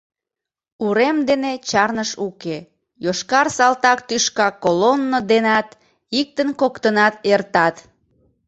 Урем дене чарныш уке йошкар салтак тӱшка колонно денат, иктын-коктынат эртат.